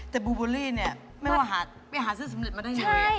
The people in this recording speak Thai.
แต่บูเบอรี่เนี่ยไม่ว่าไปหาซื้อสำเร็จมาได้ยังไง